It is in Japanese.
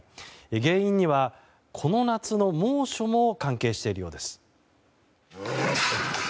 原因には、この夏の猛暑も関係しているようです。